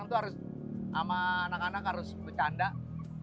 jadi itu yang diajakkan kalau dulu mas eko sesusah apa sih